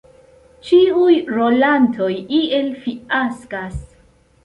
Ĉiuj rolantoj iel fiaskas.